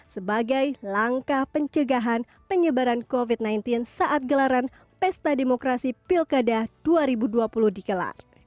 sebagai langkah pencegahan penyebaran covid sembilan belas saat gelaran pesta demokrasi pilkada dua ribu dua puluh dikelar